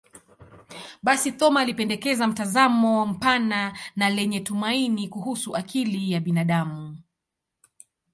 Basi, Thoma alipendekeza mtazamo mpana na lenye tumaini kuhusu akili ya binadamu.